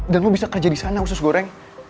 dan lo bisa kerja disana usus goreng